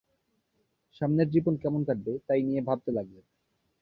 সামনের জীবন কেমন কাটবে, তাই নিয়ে ভাবতে লাগলেন।